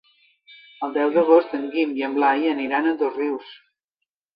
El deu d'agost en Guim i en Blai aniran a Dosrius.